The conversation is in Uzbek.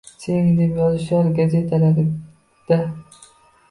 Seving, deb yozishar gazetalarda